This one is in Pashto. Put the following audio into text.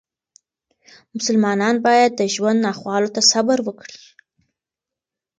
مسلمانان باید د ژوند ناخوالو ته صبر وکړي.